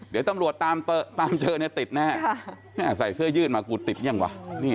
เดี๋ยวตำรวจตามเจอเนี่ยติดแน่ใส่เสื้อยืดมากูติดยังวะ